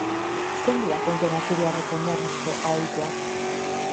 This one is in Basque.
Zein dira kontuan hartu beharreko oinarrizko aholkuak?